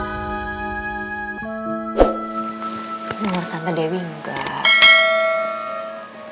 menurut tante dewi enggak